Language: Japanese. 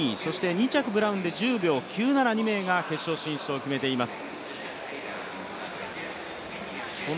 ２着ブラウンで１０秒９７で決勝進出を決めています。